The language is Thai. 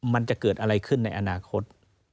มันจะเกิดอะไรขึ้นในอนาคต